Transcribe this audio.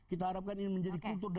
kita harapkan ini menjadi kultur